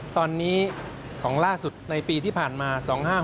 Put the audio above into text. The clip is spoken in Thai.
ตอนนี้ของล่าสุดในปีที่ผ่านมา๒๕๖๖